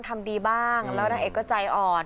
ทำดีบ้างแล้วนางเอกก็ใจอ่อน